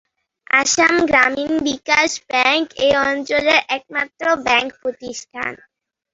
Assam Gramin Bikash bank এ অঞ্চলের একমাত্র ব্যাংক প্রতিষ্ঠান।